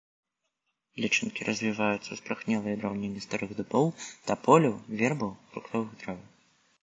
Лічынкі развіваюцца ў спарахнелай драўніне старых дубоў, таполяў, вербаў, фруктовых дрэў.